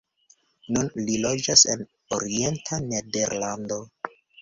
Nun li loĝas en orienta Nederlando.